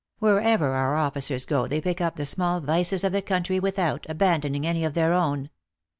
Wherever our officers go they pick up the small vices of the country, without abandoning any of their own.